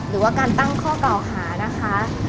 หรือว่าการตั้งข้อกล่าวหานะคะ